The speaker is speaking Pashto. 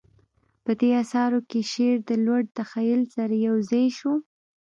په دې اثارو کې شعر د لوړ تخیل سره یوځای شو